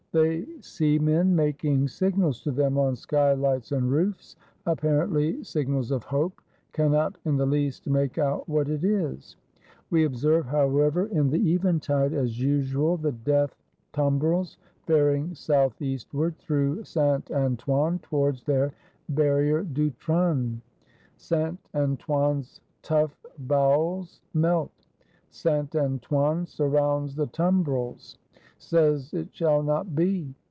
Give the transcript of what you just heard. They see men making signals to them, on sky lights and roofs, apparently signals of hope; cannot in the least make out what it is. We observe, however, in 338 THE FALL OF ROBESPIERRE the eventide, as usual, the Death tumbrels faring South eastward, through Saint Antoine, towards their Barrier du Trone. Saint Antoine's tough bowels melt; Saint Antoine surrounds the Tumbrels; says, It shall not be.